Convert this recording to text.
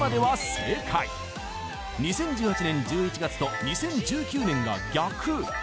２０１８年１１月と２０１９年が逆